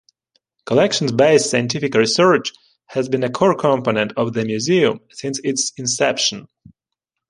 Collections-based scientific research has been a core component of the museum since its inception.